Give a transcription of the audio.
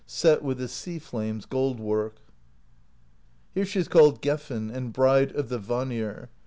Set with the sea flame's gold work. Here she is called Gefn and Bride of the Vanir.